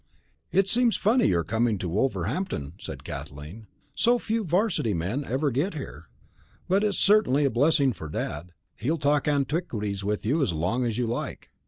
"It seems funny your coming to Wolverhampton," said Kathleen. "So few 'varsity men ever get here. But it's certainly a blessing for Dad. He'll talk antiquities with you as long as you like."